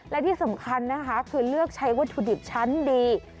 และที่สำคัญนะคะคือเลือกใช้วัตถุดิบชั้นดี